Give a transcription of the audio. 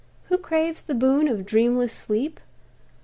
Who craves the boon of dreamless sleep?